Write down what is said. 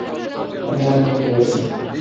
আমি অন্য ইউনিভার্সের।